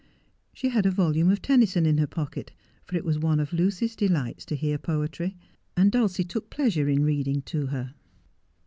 She had a volume of Tennyson in her pocket, for it was one of Lucy's delights to hear poetry, and Dulcie took pleasure in reading to her.